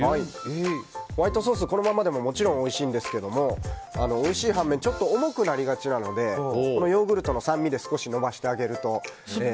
ホワイトソース、このままでももちろんおいしいんですけどもおいしい反面ちょっと重くなりがちなのでヨーグルトの酸味で少し伸ばしてあげると。